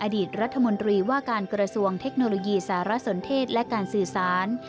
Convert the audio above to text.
อดีตรัฐมนตรีว่าการกระทรวงเทคโนโลยีสารสนเทศและการสื่อสาร